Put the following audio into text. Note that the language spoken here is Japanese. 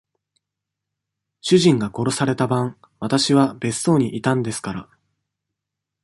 主人が殺された晩、私は別荘にいたんですから。